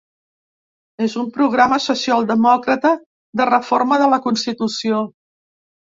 És un programa socialdemòcrata, de reforma de la constitució.